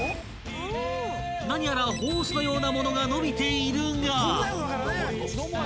［何やらホースのような物が伸びているが］